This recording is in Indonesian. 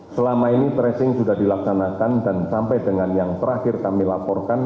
selama ini tracing sudah dilaksanakan dan sampai dengan yang terakhir kami laporkan